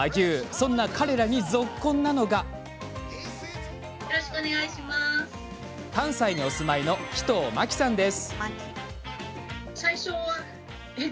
そんな彼らにぞっこんなのが関西にお住まいの鬼頭真紀さんです。